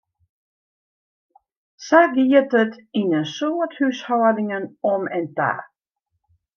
Sa gie it yn in soad húshâldingen om en ta.